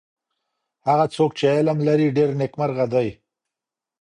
هغه څوک چی علم لري ډېر نیکمرغه دی.